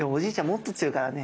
もっと強いからね。